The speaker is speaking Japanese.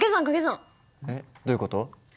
えっどういう事？